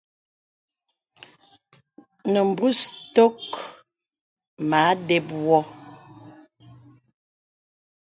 Nə̀ bùs tōk mə a dəp wɔ.